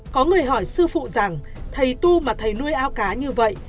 có người hỏi sư phụ rằng thầy tu mà thầy nuôi ao cá như vậy